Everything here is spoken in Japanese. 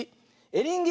エリンギ。